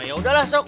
ya udahlah sok